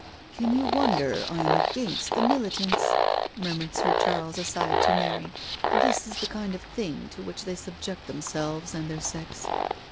" Can you wonder I am against the Militants?" mur mured Sir Charles, aside, to Mary: "this is the kind of thing to which they subject themselves and their sex."